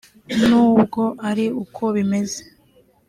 nubwo ari uko bimeze